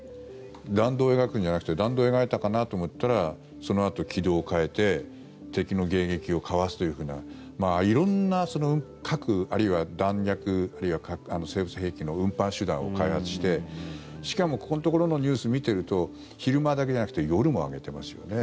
弾道を描くんじゃなくて弾道を描いたかなと思ったらそのあと、軌道を変えて敵の迎撃をかわすというふうな色んな核、あるいは弾薬あるいは生物兵器の運搬手段を開発してしかも、ここのところのニュースを見ていると昼間だけじゃなくて夜も上げてますよね。